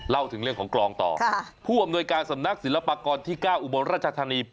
เล่าถึงเรื่องของกลองต่อผู้อำนวยการสำนักศิลปากรที่๙อุบลราชธานี